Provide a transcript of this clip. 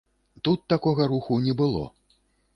Тут такога руху не было.